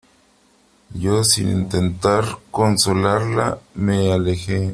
yo , sin intentar consolarla me alejé .